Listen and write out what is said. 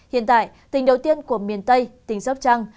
hiện tại tỉnh đầu tiên của miền tây tỉnh sóc trăng